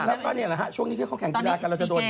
แล้วก็ช่วงนี้ที่เข้าแข่งกีฬากันเราจะโดน